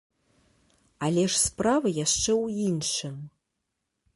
Але ж справа яшчэ ў іншым.